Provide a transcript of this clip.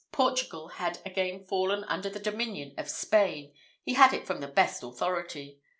Portugal had again fallen under the dominion of Spain he had it from the best authority.